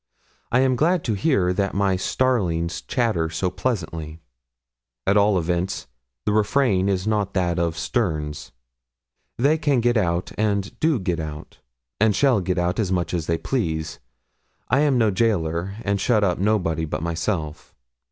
I am glad to hear that my starlings chatter so pleasantly; at all events the refrain is not that of Sterne's. They can get out; and do get out; and shall get out as much as they please. I am no gaoler, and shut up nobody but myself.